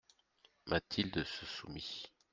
Mathilde se soumit.